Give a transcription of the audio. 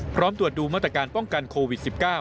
ตรวจดูมาตรการป้องกันโควิด๑๙